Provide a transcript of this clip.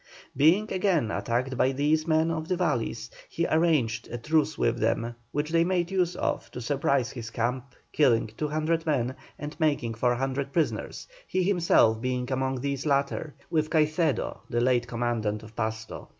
Being again attacked by these men of the valleys, he arranged a truce with them, which they made use of to surprise his camp, killing 200 men and making 400 prisoners, he himself being among these latter, with Caicedo, the late commandant of Pasto.